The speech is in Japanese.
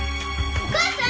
お母さん！